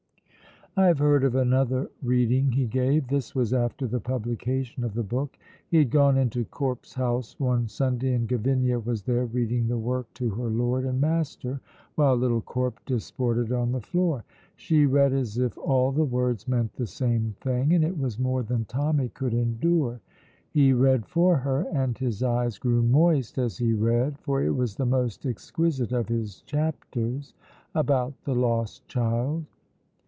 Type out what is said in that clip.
I have heard of another reading he gave. This was after the publication of the book. He had gone into Corp's house one Sunday, and Gavinia was there reading the work to her lord and master, while little Corp disported on the floor. She read as if all the words meant the same thing, and it was more than Tommy could endure. He read for her, and his eyes grew moist as he read, for it was the most exquisite of his chapters about the lost child.